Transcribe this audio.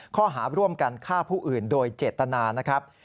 ข้อหาร่วมกันฆ่าผู้อื่นโดยเจตนานะครับ